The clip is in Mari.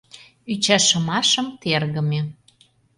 ӰЧАШЫМАШЫМ ТЕРГЫМЕ